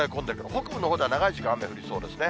北部のほうでは長い時間雨降りそうですね。